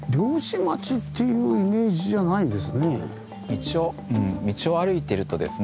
でも道を歩いてるとですね